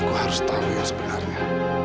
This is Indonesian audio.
aku harus tahu ya sebenarnya